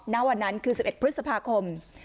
ณวันนั้นคือ๑๑พฤษภาคม